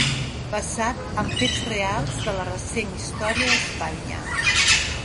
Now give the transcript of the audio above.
Basat en fets reals de la recent història d'Espanya.